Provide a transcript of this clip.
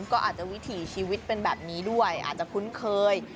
ก็อาจจะวิถีชีวิตเป็นแบบนี้ด้วยอาจจะคุ้นเคย